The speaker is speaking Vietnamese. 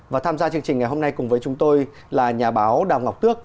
và tham gia chương trình ngày hôm nay cùng với chúng tôi là nhà báo đào ngọc tước